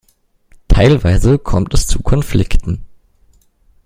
Teilweise kommt es zu Konflikten.